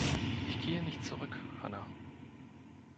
Ich gehe nicht zurück, Hannah.